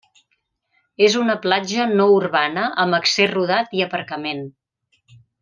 És una platja no urbana amb accés rodat i aparcament.